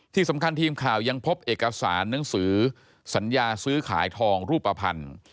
ทีมข่าวยังพบเอกสารหนังสือสัญญาซื้อขายทองรูปภัณฑ์